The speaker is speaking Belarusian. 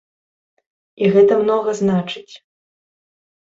І гэта многа значыць.